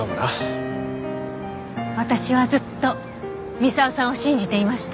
私はずっと三沢さんを信じていました。